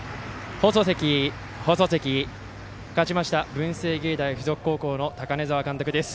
放送席、勝ちました文星芸大付属高校の高根澤監督です。